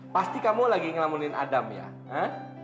pasti kamu lagi ngelamunin adam ya ha